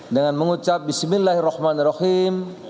dengan mengucap bismillahirrahmanirrahim